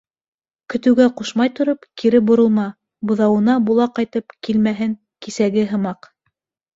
Көтөүгә ҡушмай тороп, кире боролма, быҙауына була ҡайтып килмәһен кисәге һымаҡ...